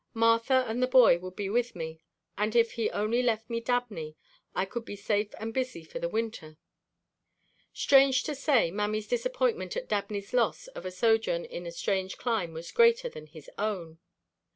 Martha and the boy would be with me and if he only left me Dabney I could be safe and busy for the winter. Strange to say, Mammy's disappointment at Dabney's loss of a sojourn in a strange clime was greater than his own.